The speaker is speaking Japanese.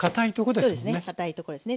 そうですねかたいところですね。